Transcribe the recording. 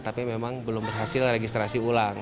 tapi memang belum berhasil registrasi ulang